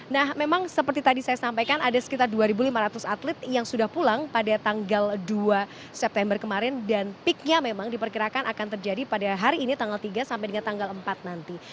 nah memang seperti tadi saya sampaikan ada sekitar dua lima ratus atlet yang sudah pulang pada tanggal dua september kemarin dan peaknya memang diperkirakan akan terjadi pada hari ini tanggal tiga sampai dengan tanggal empat nanti